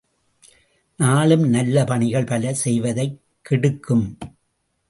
நாளும் நல்ல பணிகள் பல செய்வதைக் கெடுக்கும்!